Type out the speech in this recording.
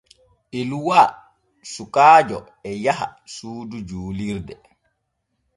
Eluwa sukaajo e yaha suudu juulirde.